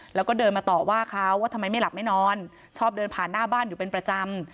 แล้วก็เดินมาต่อว่าเขาว่าทำไมไม่หลับไม่นอนชอบเดินผ่านหน้าบ้านอยู่เป็นประจำ